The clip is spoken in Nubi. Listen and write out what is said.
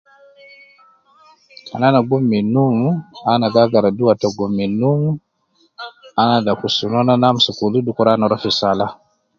Kan ana gum min num, ana gi agara duwa ta gum min num, ana adaku sunun, ana amsuku wudhu dukur ana rua fi salah